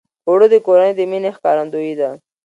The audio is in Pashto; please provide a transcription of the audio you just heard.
اوړه د کورنۍ د مینې ښکارندویي ده